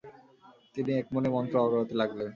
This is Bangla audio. তিনি একমনে মন্ত্র আওড়াতে লাগলেন।